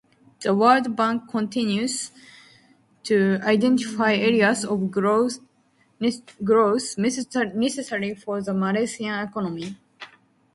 The World Bank continues to identify areas of growth necessary for the Malaysian economy.